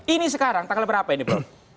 ini sekarang tanggal berapa ini prof